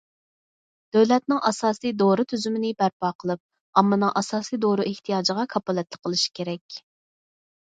دۆلەتنىڭ ئاساسىي دورا تۈزۈمىنى بەرپا قىلىپ، ئاممىنىڭ ئاساسىي دورا ئېھتىياجىغا كاپالەتلىك قىلىش كېرەك.